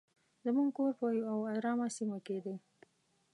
زموږ کور په یو ارامه سیمه کې دی.